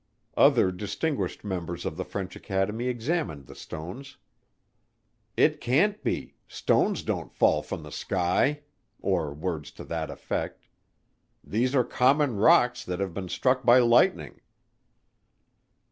Other distinguished members of the French Academy examined the stones, "It can't be stones don't fall from the sky," or words to that effect. "These are common rocks that have been struck by lightning."